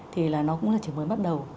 thì là nó cũng là chỉ mới bắt đầu